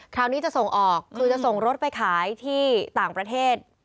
คราวนี้จะส่งออกคือจะส่งรถไปขายที่ต่างประเทศ